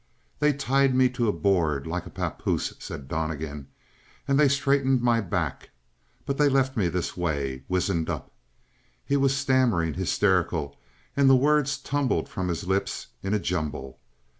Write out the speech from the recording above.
"They tied me to a board like a papoose," said Donnegan, "and they straightened my back but they left me this way wizened up." He was stammering; hysterical, and the words tumbled from his lips in a jumble.